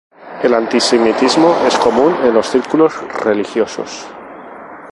El antisemitismo es común en los círculos religiosos.